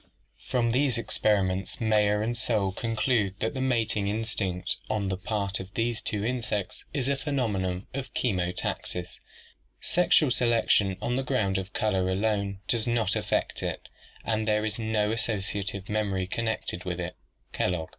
From these experiments Mayer and Soule conclude that the mating instinct on the part of these two insects is a phenomenon of chemotaxis (Lat. chemicus, chemic, and Gr. rdfy*;, arrangement). "Sexual selection on the ground of colour alone does not affect it, and there is no associative memory connected with it" (Kellogg).